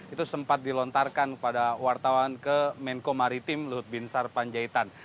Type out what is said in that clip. itu sempat dilontarkan pada wartawan ke menko maritim lutbinsar panjaitan